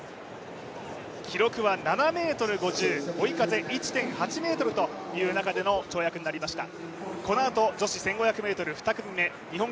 記録は７ｍ５０ｃｍ追い風１．８ｍという、跳躍になりました。